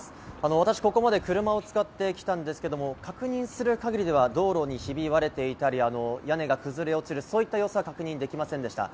私、ここまで車を使ってきたんですけれども、確認する限りでは道路がヒビ割れていたり、屋根が崩れ落ちる、そういった様子は確認できませんでした。